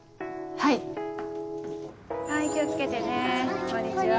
はい気を付けてねこんにちは。